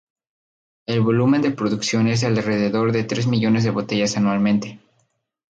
El volumen de producción es de alrededor de tres millones de botellas anualmente.